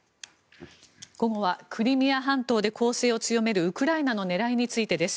午後はクリミア半島で攻勢を強めるウクライナの狙いについてです。